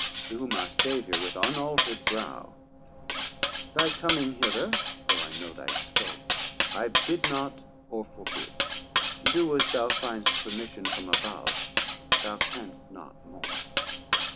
To whom our Saviour with unalter'd brow Thy coming hither, though I know thy scope, I bid not or forbid; do as thou find'st Permission from above; thou canst not more.